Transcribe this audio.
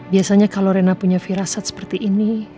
biasanya kalau rena punya firasat seperti ini